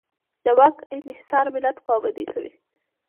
د واک انحصار ملت خوابدی کوي.